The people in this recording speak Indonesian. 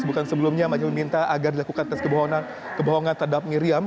sebutkan sebelumnya majelis hakim minta agar dilakukan tes kebohongan terhadap miriam